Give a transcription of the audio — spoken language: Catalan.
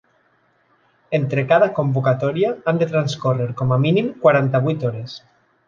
Entre cada convocatòria han de transcórrer com a mínim quaranta-vuit hores.